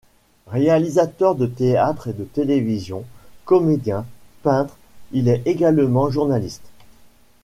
Réalisateur de Théâtre et de Télévision, comédien, peintre, il est également journaliste.